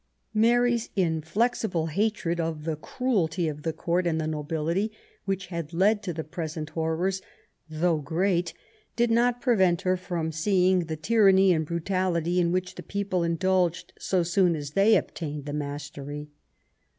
Mary's inflexible hatred of the cruelty of the court and the nobility, which had led to the present horrors, throuj^h great, did not prevent her from seeing the tyranny and brutality in which the people indulged so soon as they obtained the mastery.